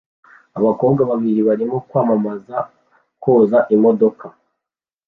Abakobwa babiri barimo kwamamaza koza imodoka